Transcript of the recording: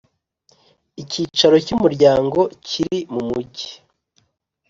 Icyicaro cy umuryango kiri mu mujyi